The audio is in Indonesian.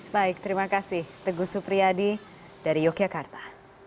baik terima kasih teguh supriyadi dari yogyakarta